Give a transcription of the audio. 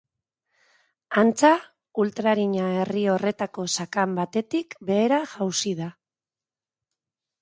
Antza, ultrarina herri horretako sakan batetik behera jausi da.